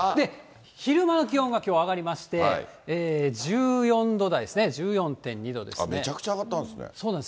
昼間の気温がきょう上がりまして、１４度台ですね、１４．２めちゃくちゃ上がったんですそうなんです。